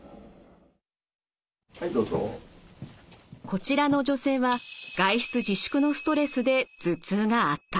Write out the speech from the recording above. こちらの女性は外出自粛のストレスで頭痛が悪化。